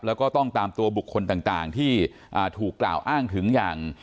แล้วก็ต้องตามตัวบุคคลต่างที่ถูกกล่าวอ้างถึงอย่าง